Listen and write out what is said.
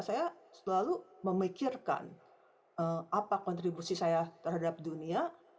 saya selalu memikirkan apa kontribusi saya terhadap dunia